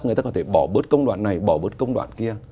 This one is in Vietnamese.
người ta có thể bỏ bớt công đoạn này bỏ bớt công đoạn kia